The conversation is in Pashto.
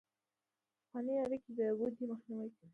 پخوانۍ اړیکې د ودې مخنیوی کوي.